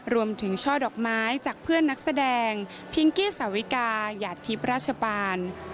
ช่อดอกไม้จากเพื่อนนักแสดงพิงกี้สาวิกาหยาดทิพย์ราชปาน